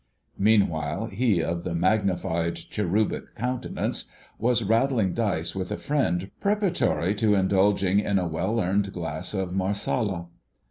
Meanwhile, he of the magnified cherubic countenance was rattling dice with a friend preparatory to indulging in a well earned glass of Marsala.